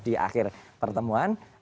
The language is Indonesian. di akhir pertemuan